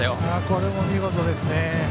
これも見事ですね。